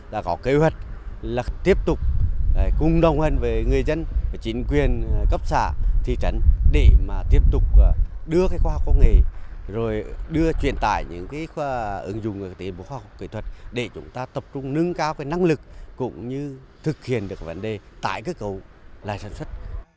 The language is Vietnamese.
đã có kế hoạch là tiếp tục cung đồng hơn với người dân chính quyền cấp xã thị trấn để mà tiếp tục đưa cái khoa học công nghệ rồi đưa truyền tải những cái khoa ứng dụng của tế bố khoa học kỹ thuật để chúng ta tập trung nâng cao cái năng lực cũng như thực hiện được vấn đề tại cái cầu là sản xuất